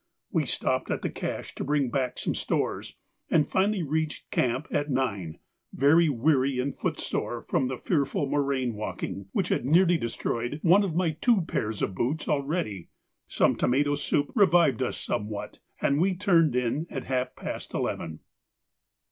We stopped at the cache to bring back some stores, and finally reached camp at nine, very weary and footsore from the fearful moraine walking, which had nearly destroyed one of my two pairs of boots already. Some tomato soup revived us somewhat, and we turned in at half past eleven.